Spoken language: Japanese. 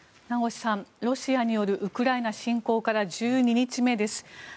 名越さん、ロシアによるウクライナ侵攻から１２日目です。